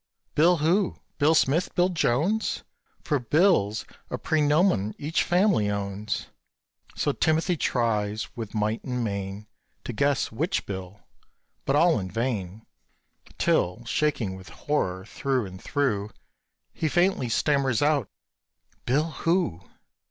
Bill who? Bill Smith? Bill Jones? For Bill's a prænomen each family owns; So Timothy tries with might and main To guess which Bill, but all in vain; Till, shaking with horror through and through, He faintly stammers out "Bill who?"